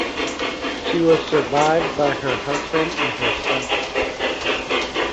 She was survived by her husband and her son.